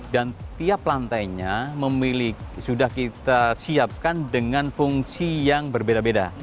dan tiap lantainya memiliki sudah kita siapkan dengan fungsi yang berbeda beda